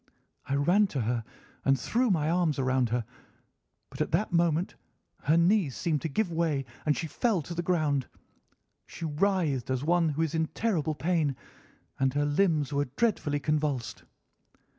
I ran to her and threw my arms round her, but at that moment her knees seemed to give way and she fell to the ground. She writhed as one who is in terrible pain, and her limbs were dreadfully convulsed.